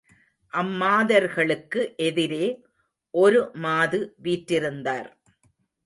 அம்மாதர்களுக்கு எதிரே ஒரு மாது வீற்றிருந்தார்.